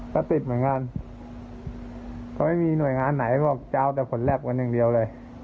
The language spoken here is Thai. ก็ติดเหมือนกันเขาไม่มีหน่วยงานไหนเขาบอกจะเอาแต่ผลแรปกว่าหนึ่งเดียวเลย